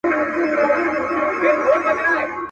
بوډا کیسې ورته کوي دوی ورته ناست دي غلي.